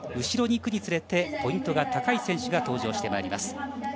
後ろにいくにつれてポイントが高い選手が登場してまいります。